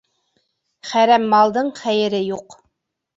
Хәрәм малдың хәйере юҡ.